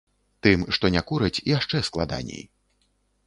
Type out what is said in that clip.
Тым, што не кураць, яшчэ складаней.